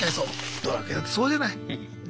ドラクエだってそうじゃない？ね？